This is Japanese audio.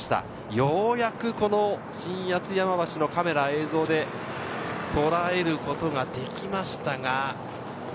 ようやく新八ツ山橋のカメラ、映像でとらえることができましたが。